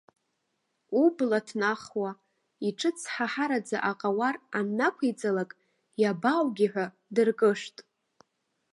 Убла ҭнахуа, иҿыцҳҳараӡа аҟауар аннақәиҵалак, иабааугеи ҳәа дыркышт.